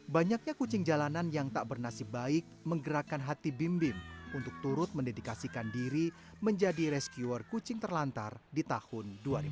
banyaknya kucing jalanan yang tak bernasib baik menggerakkan hati bim bim untuk turut mendedikasikan diri menjadi rescuer kucing terlantar di tahun dua ribu dua puluh